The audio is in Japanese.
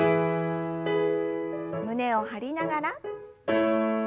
胸を張りながら。